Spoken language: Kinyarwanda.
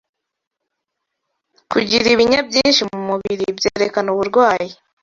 Kugira ibinya byinshi mu mubiri byerekana uburwayi